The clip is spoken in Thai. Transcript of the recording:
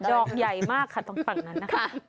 ดอกใหญ่มากค่ะตรงฝั่งนั้นนะคะ